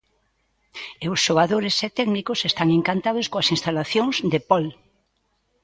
E os xogadores e técnicos están encantados coas instalacións de Pol.